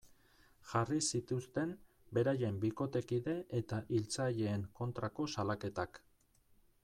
Jarri zituzten beraien bikotekide eta hiltzaileen kontrako salaketak.